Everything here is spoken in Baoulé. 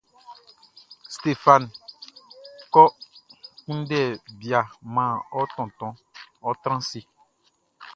Stéphane, kɔ kunndɛ bia man ɔ tontonʼn; ɔ́ trán ase.